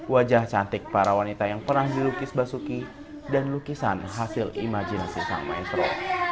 wajah cantik para wanita yang pernah dilukis basuki dan lukisan hasil imajinasi sang maestro